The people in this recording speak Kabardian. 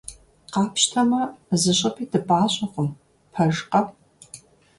Къапщтэмэ, зыщӀыпӀи дыпӀащӀэкъым, пэжкъэ?!